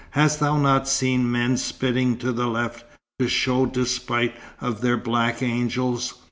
Hast thou not seen men spitting to the left, to show despite of their black angels?